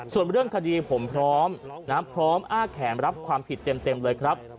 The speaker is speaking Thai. ส่วนเรื่องคดีผมพร้อมพร้อมอ้าแขนรับความผิดเต็มเลยครับ